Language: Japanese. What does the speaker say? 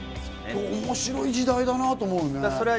面白い時代だなと思うね。